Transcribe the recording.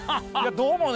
どうもね